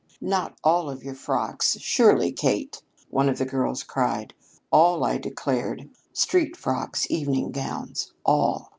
"'Not all of your frocks, surely, Kate,' one of the girls cried. 'All,' I declared; 'street frocks, evening gowns, all.'